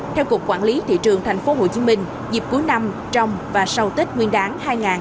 theo cục quản lý thị trường tp hcm dịp cuối năm trong và sau tết nguyên đáng hai nghìn hai mươi bốn